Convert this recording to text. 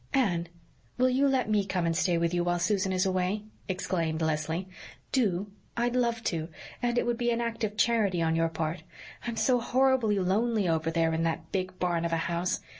"Anne, will you let me come and stay with you while Susan is away?" exclaimed Leslie. "Do! I'd love to and it would be an act of charity on your part. I'm so horribly lonely over there in that big barn of a house.